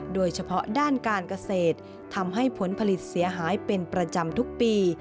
โดยเฉพาะด้านการเกษตรทำให้ผลผลิตเสียหายเป็นประจำทุกปี